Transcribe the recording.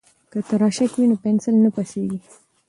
که تراشک وي نو پنسل نه پڅیږي.